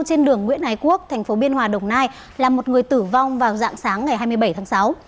trên đường nguyễn ái quốc thành phố biên hòa đồng nai là một người tử vong vào dạng sáng ngày hai mươi bảy tháng sáu